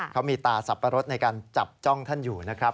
เขามีตาสับปะรดในการจับจ้องท่านอยู่นะครับ